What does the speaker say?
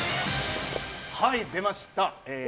はい、出ました。